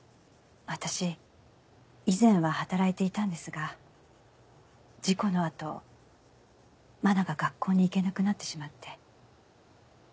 私以前は働いていたんですが事故のあと愛菜が学校に行けなくなってしまって。